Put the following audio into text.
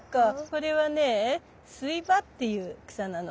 これはねスイバっていう草なの。